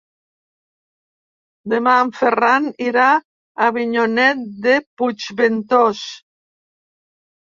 Demà en Ferran irà a Avinyonet de Puigventós.